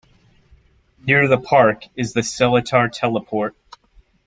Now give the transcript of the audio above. Near the park is the Seletar Teleport.